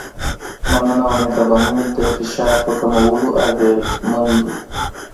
مننه او مهرباني د فشار په کمولو اغېزمن دي.